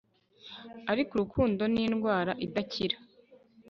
ariko urukundo ni indwara idakira